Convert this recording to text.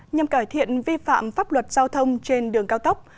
nhằm cải thiện vi phạm pháp luật giao thông trên đường cao tốc